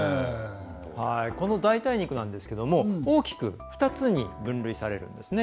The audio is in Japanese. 代替肉ですが大きく２つに分類されるんですね。